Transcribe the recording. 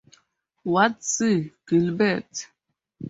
Ward C. Gilbert.